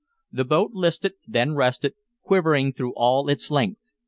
The boat listed, then rested, quivering through all its length.